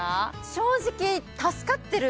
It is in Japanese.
正直助かってる瞬間